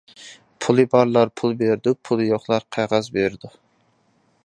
پۇلى بارلار پۇل بېرىدۇ، پۇلى يوقلار قەغەز بېرىدۇ.